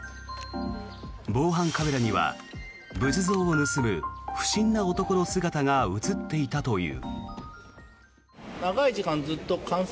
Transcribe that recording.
防犯カメラには仏像を盗む不審な男の姿が映っていたという。